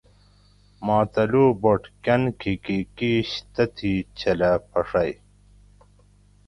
ماتلو بٹ کن کھیکی کیش تتھیں چھلہ پھڛئ